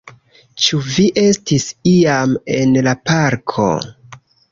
Ĉu vi estis iam en la parko?